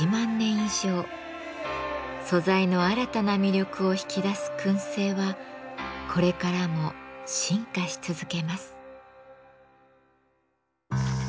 素材の新たな魅力を引き出す燻製はこれからも進化し続けます。